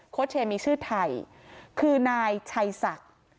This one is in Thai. เชมีชื่อไทยคือนายชัยศักดิ์